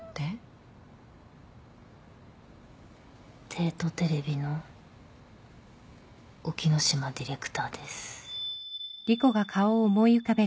帝都テレビの沖野島ディレクターです。